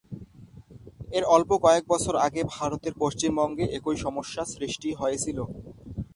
এর অল্প কয়েক বছর আগে ভারতের পশ্চিমবঙ্গে একই সমস্যা সৃষ্টি হয়েছিল।